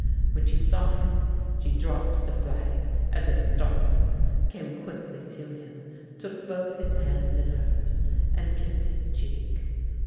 When she saw him, she dropped the flag, as if startled, came quickly to him, took both his hands in hers, and kissed his cheek.